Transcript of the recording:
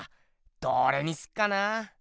どれにすっかなあ？